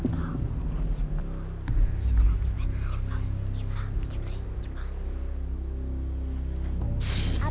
ตั้งใจ